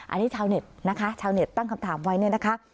อันนี้ชาวเน็ตนะคะชาวเน็ตตั้งคำถามไว้เนี่ยนะคะ